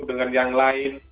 dengan yang lain